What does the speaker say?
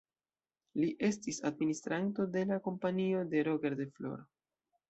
Li estis administranto de la Kompanio de Roger de Flor.